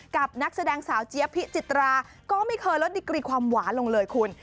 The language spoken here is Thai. นักแสดงสาวเจี๊ยบพิจิตราก็ไม่เคยลดดิกรีความหวานลงเลยคุณ